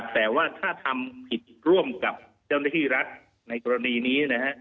แต่ว่าถ้าทำผิดร่วมกับเจ้าหน้าที่รัฐในกรณีนี้นะฮะ